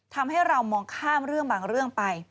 ทำให้เรามองข้ามเรื่องบางเรื่องไป